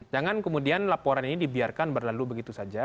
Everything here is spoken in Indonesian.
jangan kemudian laporan ini dibiarkan berlalu begitu saja